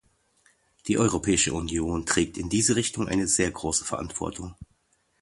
Die Europäische Union trägt in dieser Richtung eine sehr große Verantwortung.